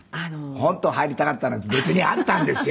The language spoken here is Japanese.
本当は入りたかったのが別にあったんですよ。